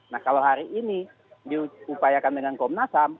nah kalau hari ini diupayakan dengan komnas ham